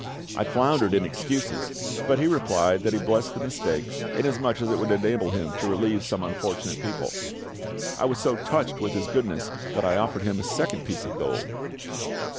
I floundered in excuses, but he replied that he blessed the mistake, inasmuch as it would enable him to relieve some unfortunate people. I was so touched with his goodness that I offered him a second piece of gold."